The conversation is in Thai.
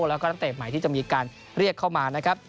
แล้วก็นักเตะใหม่ที่จะมีการเรียกเข้ามานะครับ